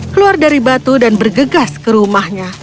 keluar dari batu dan bergegas ke rumahnya